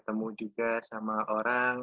lalu juga sama orang